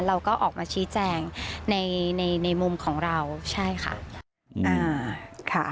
เราก็ออกมาชี้แจงในในมุมของเราใช่ค่ะ